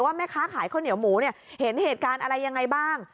แม่ค้าขายข้าวเหนียวหมูเนี่ยเห็นเหตุการณ์อะไรยังไงบ้าง